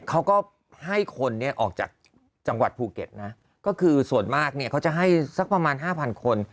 เขาก็ให้คนเนี่ยออกจากจังหวัดภูเก็ตนะก็คือส่วนมากเนี่ยเขาจะให้สักประมาณห้าพันคน